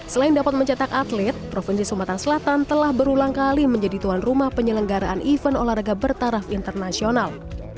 selain dapat mencetak atlet provinsi sumatera selatan telah berulang kali menjadi tuan rumah penyelenggaraan event olahraga bertaraf internasional